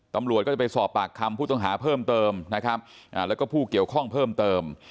ตำรวจก็จะไปสอบปากคำผู้ต้องหาเพิ่มเติมนะครับแล้วก็ผู้เกี่ยวข้องเพิ่มเติม